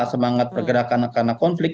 semangat pergerakan karena konflik